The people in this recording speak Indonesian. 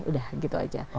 udah gitu aja